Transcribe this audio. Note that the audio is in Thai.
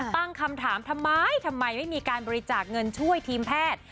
ตั้งคำถามทำไมทำไมไม่มีการบริจาคเงินช่วยทีมแพทย์